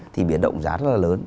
thì biến động giá rất là lớn